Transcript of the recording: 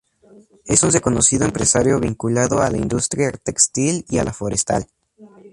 Es un reconocido empresario vinculado a la industria textil y a la forestal.